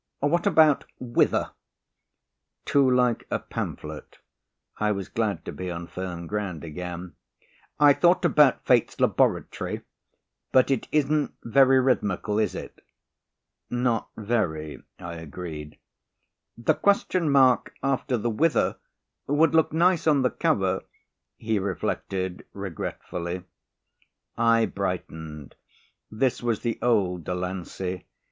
What about 'Whither'?" "Too like a pamphlet," I was glad to be on firm ground again. "I thought about 'Fate's Laboratory,' but it isn't very rhythmical, is it?" "Not very," I agreed. "The question mark after the 'Whither' would look nice on the cover," he reflected regretfully. I brightened. This was the old Delancey.